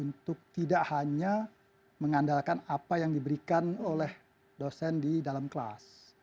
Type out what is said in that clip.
untuk tidak hanya mengandalkan apa yang diberikan oleh dosen di dalam kelas